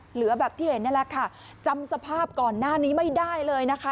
เหลือแบบที่เห็นนี่แหละค่ะจำสภาพก่อนหน้านี้ไม่ได้เลยนะคะ